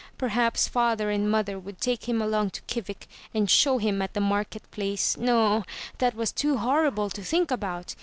Perhaps father and mother would take him along to Kivik, and show him at the market place. No, that was too horrible to think about.